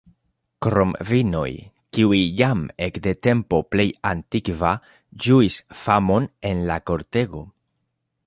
Krom vinoj, kiuj jam ekde tempo plej antikva ĝuis famon en la kortego.